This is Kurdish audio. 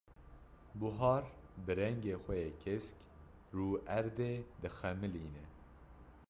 Buhar bi rengê xwe yê kesk, rûerdê dixemilîne.